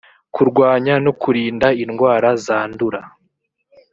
kurwanya no kurinda indwara zandura